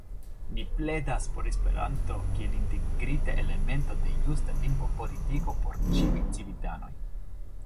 Ni pledas por Esperanto kiel integrita elemento de justa lingvopolitiko por ĉiuj civitanoj.